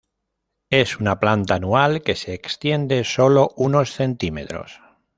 Es una planta anual que se extiende solo unos centímetros.